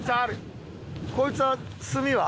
こいつはスミは？